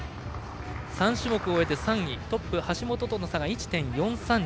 ３種目終えて３位トップ橋本との差が１．４３２。